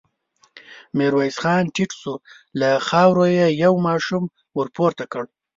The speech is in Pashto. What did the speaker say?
ميرويس خان ټيټ شو، له خاورو يې يو ماشوم ور پورته کړ.